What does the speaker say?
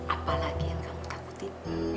apalagi yang kamu takutin